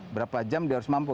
berapa jam dia harus mampu